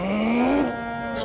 harusnya kau berjaga jaga